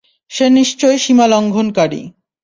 সে নিশ্চয়ই সীমালংঘনকারী।